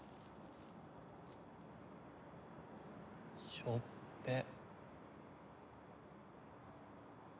しょっぺえ。